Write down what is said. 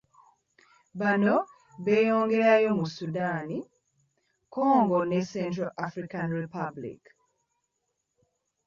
Bano beeyongerayo mu Sudan, Congo ne Central African Republic.